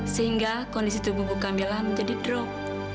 sehingga kondisi tubuh bu kamila menjadi drop